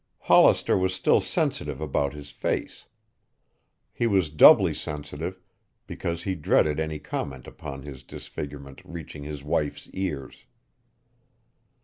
Hollister was still sensitive about his face. He was doubly sensitive because he dreaded any comment upon his disfigurement reaching his wife's ears.